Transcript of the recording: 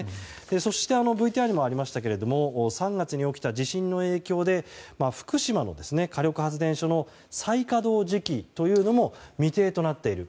そして、ＶＴＲにもありましたが３月に起きた地震の影響で福島の火力発電所の再稼働時期も未定となっている。